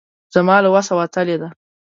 زما له وسه وتلې ده.